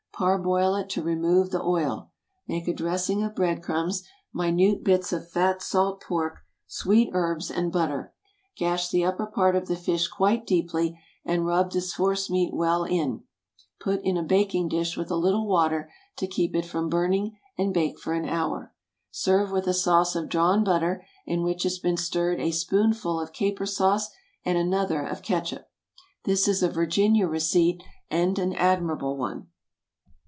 Parboil it to remove the oil. Make a dressing of bread crumbs, minute bits of fat salt pork, sweet herbs, and butter. Gash the upper part of the fish quite deeply, and rub this force meat well in; put in a baking pan with a little water to keep it from burning, and bake for an hour. Serve with a sauce of drawn butter, in which has been stirred a spoonful of caper sauce and another of catsup. This is a Virginia receipt, and an admirable one.